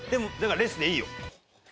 レスでいい。